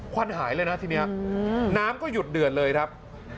วันหายเลยนะทีนี้น้ำก็หยุดเดือดเลยครับ